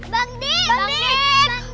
bang dik bangun